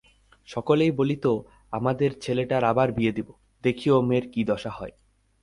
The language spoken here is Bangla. সকলেই বলিত–আমাদের ছেলের আবার বিয়ে দেব, দেখি ও মেয়েটার কী দশা হয়।